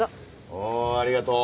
おおありがとう。